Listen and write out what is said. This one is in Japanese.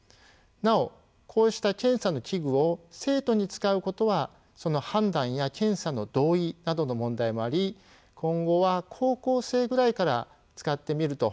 なおこうした検査の器具を生徒に使うことはその判断や検査の同意などの問題もあり今後は高校生ぐらいから使ってみるということもあるかもしれません。